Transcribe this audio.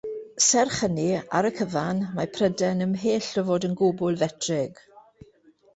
Serch hynny, ar y cyfan, mae Prydain ymhell o fod yn gwbl fetrig.